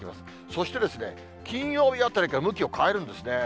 そして、金曜日あたりから向きを変えるんですね。